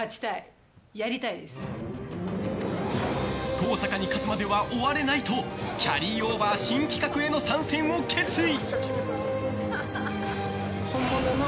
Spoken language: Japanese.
登坂に勝つまでは終われないとキャリーオーバー新企画への参戦を決意。